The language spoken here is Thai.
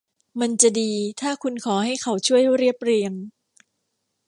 มันจะดีถ้าคุณขอให้เขาช่วยเรียบเรียง